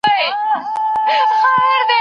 هغې ته د پخوانۍ پېښې سيوری لا هم ښکاري ذهن کي.